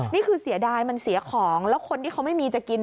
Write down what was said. นี่คือเสียดายมันเสียของแล้วคนที่เขาไม่มีจะกิน